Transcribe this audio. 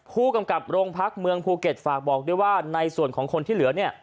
ผู้กำกับโรงพักเมืองภูเก็ตฝากบอกด้วยว่าในส่วนของคนที่เหลือเนี่ย